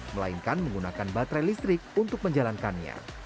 melainkan menggunakan baterai listrik untuk menjalankannya